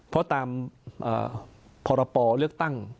เพราะตามพรปเลือกตั้ง